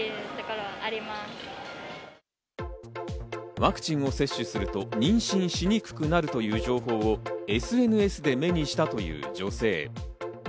ワクチンを接種すると妊娠しにくくなるという情報をＳＮＳで目にしたという女性。